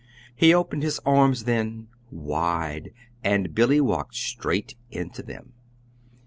He opened his arms then, wide and Billy walked straight into them.